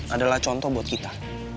adalah contoh buat kita